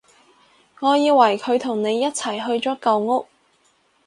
我以為佢同你一齊去咗舊屋